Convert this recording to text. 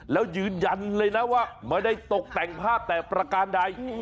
แล้วยืนยันเลยนะว่าไม่ได้ตกแต่งภาพแต่ประการใด